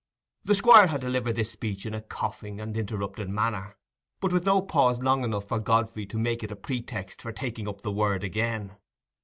The Squire had delivered this speech in a coughing and interrupted manner, but with no pause long enough for Godfrey to make it a pretext for taking up the word again.